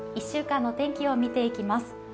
１週間の天気を見ていきます。